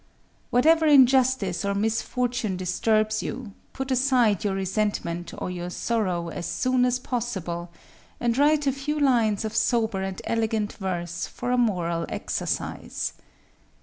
Whatever injustice or misfortune disturbs you, put aside your resentment or your sorrow as soon as possible, and write a few lines of sober and elegant verse for a moral exercise."